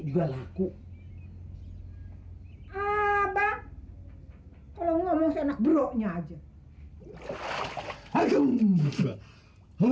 jangan dibuka ntar abang kelupaan habis si mamat mandi aja setahun udah bilangin sama